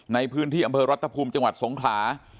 ในพื้นที่อำเภอรัฐภูมิจังหวัดสงขลา